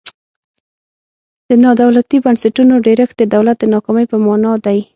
د نا دولتي بنسټونو ډیرښت د دولت د ناکامۍ په مانا دی.